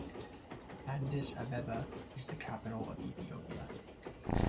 Addis Abeba is the capital of Ethiopia.